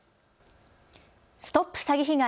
ＳＴＯＰ詐欺被害！